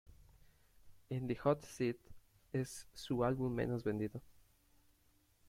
In the Hot Seat es su álbum menos vendido.